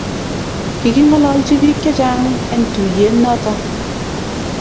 kikingololchi pik che chang en tuyet noton